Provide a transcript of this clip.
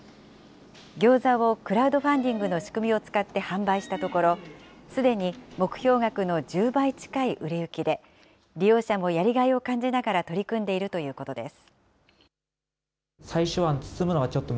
ギョーザをクラウドファンディングの仕組みを使って販売したところ、すでに目標額の１０倍近い売れ行きで、利用者もやりがいを感じながら取り組んでいるということです。